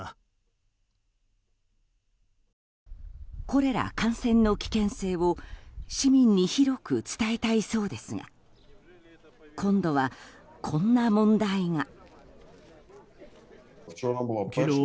コレラ感染の危険性を市民に広く伝えたいそうですが今度はこんな問題が。